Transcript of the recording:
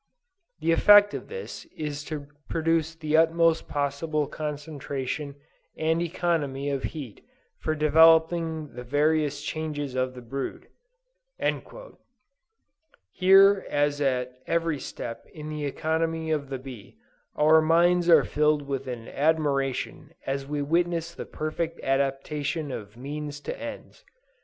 The effect of this is to produce the utmost possible concentration and economy of heat for developing the various changes of the brood!" Here as at every step in the economy of the bee our minds are filled with admiration as we witness the perfect adaptation of means to ends.